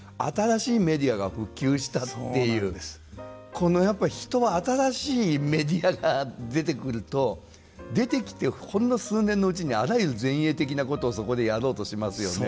このやっぱ人は新しいメディアが出てくると出てきてほんの数年のうちにあらゆる前衛的なことをそこでやろうとしますよね。